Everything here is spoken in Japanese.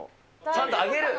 ちゃんと上げる。